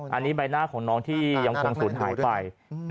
อันนี้ใบหน้าของน้องที่ยังคงสูญหายไป